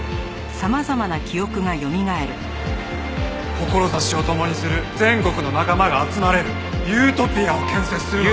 志を共にする全国の仲間が集まれるユートピアを建設するのです。